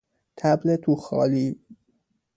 طبل توخالی